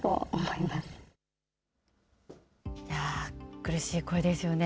苦しい声ですよね。